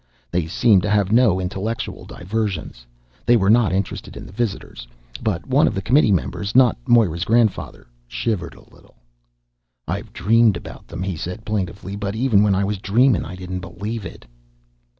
They seemed to have no intellectual diversions. They were not interested in the visitors, but one of the committee members not Moira's grandfather shivered a little. "I've dreamed about them," he said plaintively, "but even when I was dreamin' I didn't believe it!"